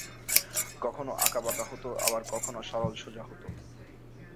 কখনো আঁকাবাঁকা হত আবার কখনো সরল সোজা হত।